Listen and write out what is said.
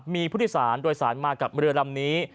มีผู้โดยสารโดยสารมากับเรือลำนี้